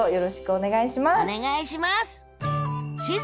お願いします！